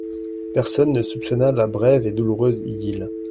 Personne ne soupçonna la brève et douloureuse idylle.